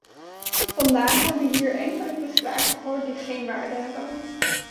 Vandaag hebben we hier enkele toespraken gehoord die geen waarde hebben.